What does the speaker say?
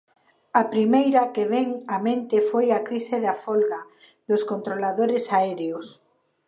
A primeira que vén á mente foi a crise da folga dos controladores aéreos.